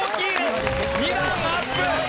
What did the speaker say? ２段アップ。